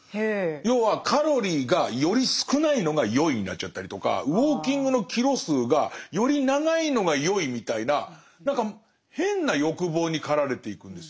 要はカロリーがより少ないのがよいになっちゃったりとかウォーキングのキロ数がより長いのがよいみたいな何か変な欲望に駆られていくんですよ。